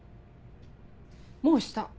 もうした。